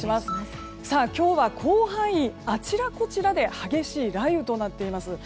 今日は広範囲あちらこちらで激しい雷雨となっています。